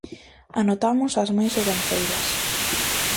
Anotamos as máis sobranceiras.